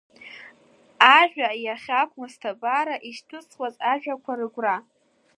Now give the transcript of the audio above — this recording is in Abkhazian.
Ажәа иахьақәмыз ҭабара, ишьҭызхуаз ажәақәа рыгәра.